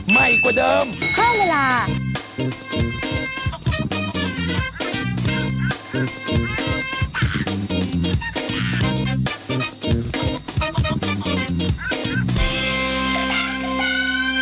๙๐วันเพราะว่าอย่างนั้น